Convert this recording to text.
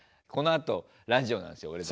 このあとラジオなんですよ